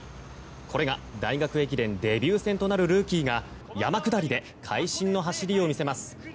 これが大学駅伝デビュー戦となるルーキーが山下りで会心の走りを見せます。